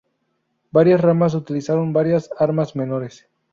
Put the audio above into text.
Varias ramas utilizaron varias armas menores.